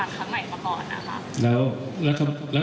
เหมือนไม่เคยเกิดขึ้นมาก่อนในการจะตั้งรัฐบาลครั้งใดมาก่อนน่ะครับ